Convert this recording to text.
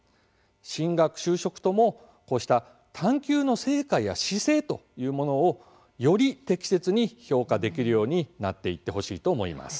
進学、就職ともこうした「探究」の成果や姿勢というものをより適切に評価できるようになっていってほしいと思います。